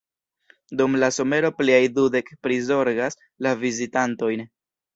Dum la somero pliaj dudek prizorgas la vizitantojn.